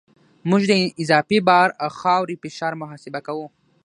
موږ د اضافي بار او خاورې فشار محاسبه کوو